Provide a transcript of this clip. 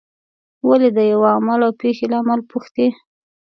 ولې د یوه عمل او پېښې لامل پوښتي.